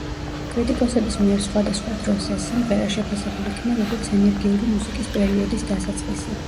კრიტიკოსების მიერ სხვადასხვა დროს ეს სიმღერა შეფასებული იქნა, როგორც ენერგიული მუსიკის პერიოდის დასაწყისი.